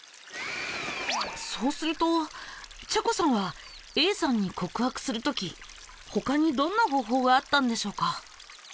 そうするとちゃこさんはＡさんに告白するとき他にどんな方法があったんでしょうか？